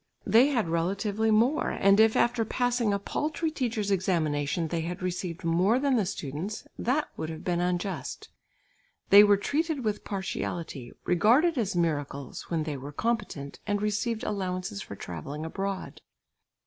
They had relatively more; and if after passing a paltry teacher's examination they had received more than the students, that would have been unjust. They were treated with partiality, regarded as miracles, when they were competent, and received allowances for travelling abroad.